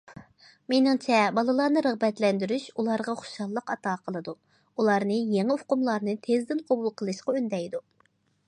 مېنىڭچە، بالىلارنى رىغبەتلەندۈرۈش ئۇلارغا خۇشاللىق ئاتا قىلىدۇ، ئۇلارنى يېڭى ئۇقۇملارنى تېزدىن قوبۇل قىلىشقا ئۈندەيدۇ.